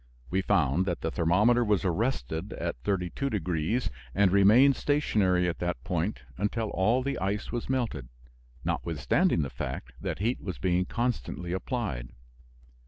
We found that the thermometer was arrested at 32 degrees and remained stationary at that point until all the ice was melted, notwithstanding the fact that heat was being constantly applied.